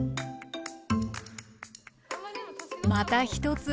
また一つ